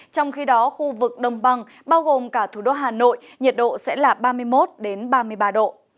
trong khi đó khu vực đồng bằng bao gồm cả thủ đô hà nội nhiệt độ sẽ là ba mươi một ba mươi ba độ